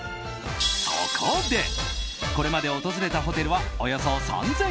そこで、これまで訪れたホテルはおよそ３０００軒。